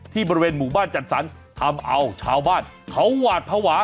บริเวณหมู่บ้านจัดสรรทำเอาชาวบ้านเขาหวาดภาวะ